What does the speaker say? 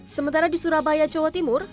sementara di surabaya jawa timur